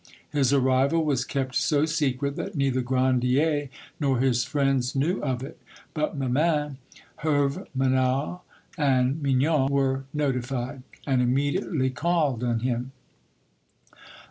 His arrival was kept so secret that neither Grandier nor his friends knew of it, but Memin, Herve Menuau, and Mignon were notified, and immediately called on him.